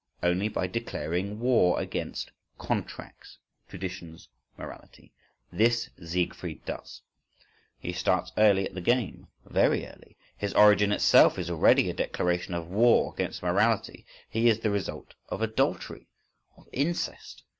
Only by declaring war against "contracts" (traditions, morality). This Siegfried does. He starts early at the game, very early—his origin itself is already a declaration of war against morality—he is the result of adultery, of incest.